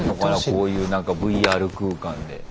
こういう何かＶＲ空間で。